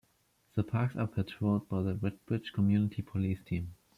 The parks are patrolled by the Redbridge Community Police Team.